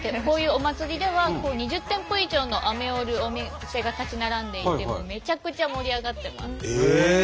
こういうお祭りでは２０店舗以上のアメを売るお店が立ち並んでいてめちゃくちゃ盛り上がってます。